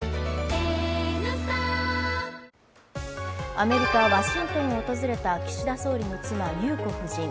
アメリカ・ワシントンを訪れた岸田総理の妻・裕子夫人。